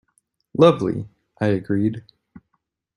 "Lovely," I agreed.